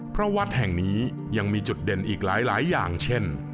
เพราะวัดแห่งนี้ยังมีจุดเด่นอีกหลายอย่างเช่น